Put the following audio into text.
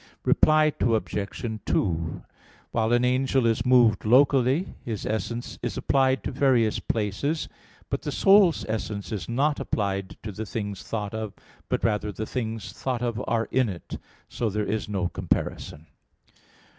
Reply Obj. 2: While an angel is moved locally, his essence is applied to various places: but the soul's essence is not applied to the things thought of, but rather the things thought of are in it. So there is no comparison.